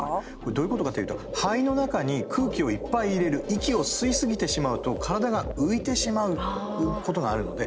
どういうことかというと肺の中に空気をいっぱい入れる息を吸いすぎてしまうと体が浮いてしまうことがあるので。